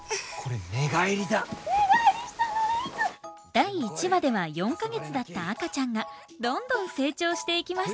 第１話では４か月だった赤ちゃんがどんどん成長していきます。